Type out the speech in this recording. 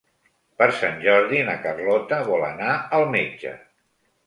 Per Sant Jordi na Carlota vol anar al metge.